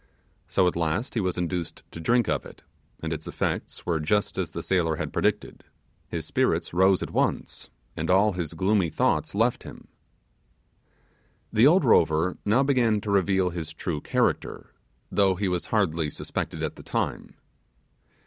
So at last he was induced to drink of it, and its effects were just as the sailor had predicted; his spirits rose at once, and all his gloomy thoughts left him. The old rover now began to reveal his true character, though he was hardly suspected at the time.